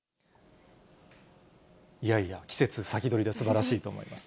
いやいや、季節先取りですばらしいと思います。